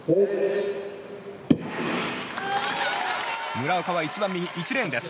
村岡は一番右１レーンです。